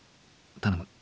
頼む。